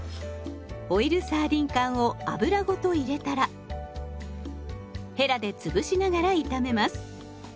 オイルサーディン缶を油ごと入れたらヘラで潰しながら炒めます。